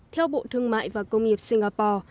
theo bộ thương mại và công nghiệp singapore